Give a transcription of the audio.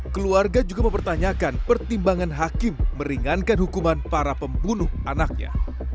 keluarga juga mempertanyakan pertimbangan hakim meringankan hukuman para pembunuh anaknya